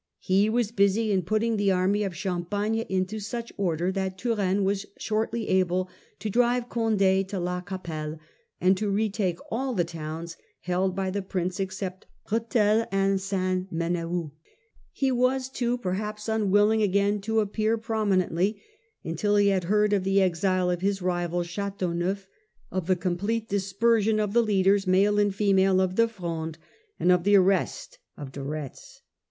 He was busy in putting the army of Champagne into such order that Turenne was shortly able to drive Conde to La Capclle and to retake all the towns held by the prince except Rethel and St. Mdndhould. He was too perhaps and of unwilling again to appear prominently until he Mazarin. had heard of the exile of his rival Ch&teauneuf, of the complete dispersion of the leaders, male and female, of the Fronde, and of the arrest of De Retz.